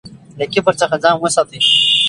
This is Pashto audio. له کبر څخه ځان وساتئ.